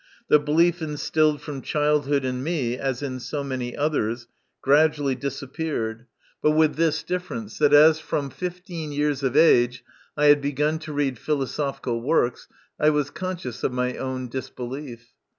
The belief instilled from childhood in me, as in so many others, gradually disappeared, my confession: 7 but with this difference, that as fror i fifteen years of age I had begun to read ph ; osophical works, I was conscious of my ow disbelief.